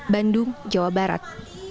bandung jawa barat